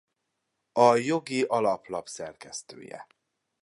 A Jogi Alaplap szerkesztője.